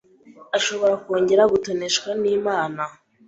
ashobora kongera gutoneshwa n’Imana.